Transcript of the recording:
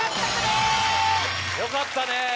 よかったね！